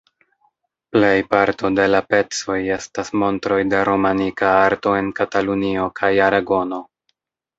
Plej parto de la pecoj estas montroj de romanika arto en Katalunio kaj Aragono.